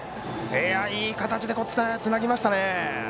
いい形でつなぎましたね。